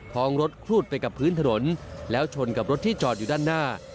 ท้องรถครูดไปกับพื้นถนนแล้วชนกับรถที่จอดอยู่ด้านหน้า